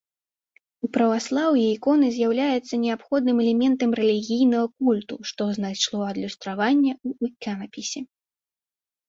У праваслаўі іконы з'яўляецца неабходным элементам рэлігійнага культу, што знайшло адлюстраванне ў іканапісе.